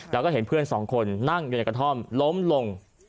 แล้วก็เห็นเพื่อนสองคนนั่งอยู่ในกระท่อมล้มลง